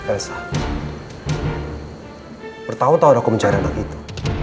esa bertahun tahun aku mencari anak itu